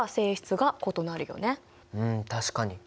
うん確かに。